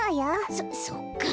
そそっかあ。